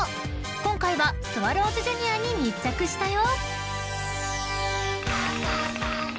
今回はスワローズジュニアに密着したよ］